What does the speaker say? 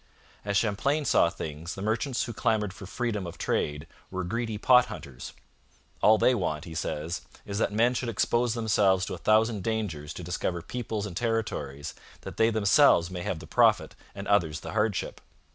As Champlain saw things, the merchants who clamoured for freedom of trade were greedy pot hunters. 'All they want,' he says, 'is that men should expose themselves to a thousand dangers to discover peoples and territories, that they themselves may have the profit and others the hardship.